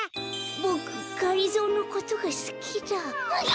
ボクがりぞーのことがすきだ。